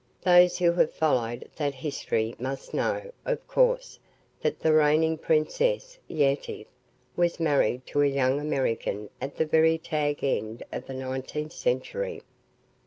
Those who have followed that history must know, of course, that the reigning princess, Yetive, was married to a young American at the very tag end of the nineteenth century.